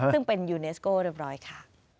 ซึ่งเป็นยูเนสโก้เรียบร้อยค่ะ